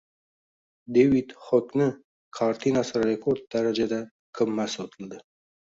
Devid Xokni kartinasi rekord darajada qimmat sotildi